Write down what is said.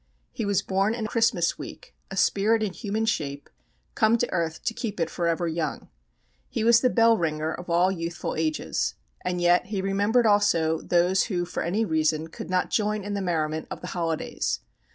He was born in Christmas week, a spirit in human shape, come to earth to keep it forever young. He was the bell ringer of all youthful ages. And yet he remembered also those who for any reason could not join in the merriment of the holidays.